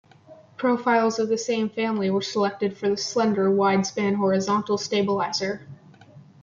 Profiles of the same family were selected for the slender, wide-span horizontal stabiliser.